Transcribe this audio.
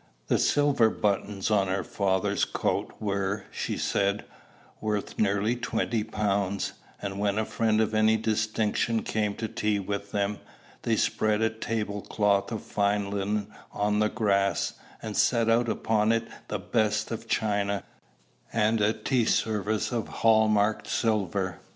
The silver buttons on her father's coat, were, she said, worth nearly twenty pounds; and when a friend of any distinction came to tea with them, they spread a table cloth of fine linen on the grass, and set out upon it the best of china, and a tea service of hall marked silver.